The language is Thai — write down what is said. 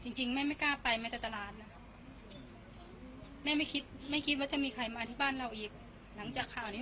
จริงจริงแม่ไม่กล้าไปแม้แต่ตลาดนะคะแม่ไม่คิดไม่คิดว่าจะมีใครมาที่บ้านเราอีกหลังจากข่าวนี้